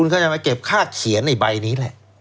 ก็จะมาเก็บค่าเขียนในใบนี้แหละ